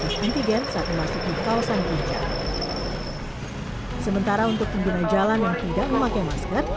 tes antigen saat memasuki kawasan puncak sementara untuk pengguna jalan yang tidak memakai masker